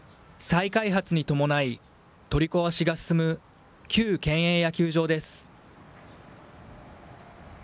再開発に伴い、取り壊しが進む旧県営野球場です。